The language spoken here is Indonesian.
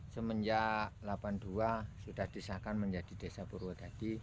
semenjak seribu sembilan ratus delapan puluh dua sudah disahkan menjadi desa purwodadi